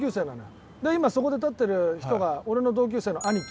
で今そこで立ってる人が俺の同級生の兄貴。